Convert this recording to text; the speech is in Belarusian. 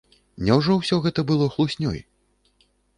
Няўжо ўсё гэта было хлуснёй?